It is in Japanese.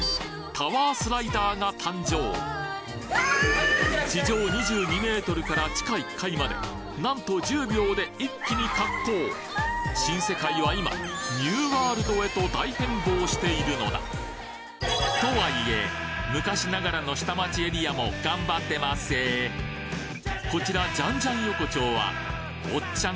ＴＯＷＥＲＳＬＩＤＥＲが誕生地上２２ｍから地下１階までなんと１０秒で一気に滑降新世界は今ニューワールドへと大変貌しているのだとはいえ昔ながらの下町エリアも頑張ってまっせこちらジャンジャン横丁はおっちゃん